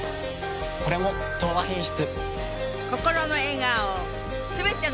これも「東和品質」。